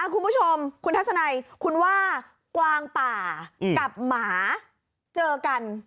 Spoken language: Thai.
คุณผู้ชมคุณทัศนัยคุณว่ากวางป่ากับหมาเจอกัน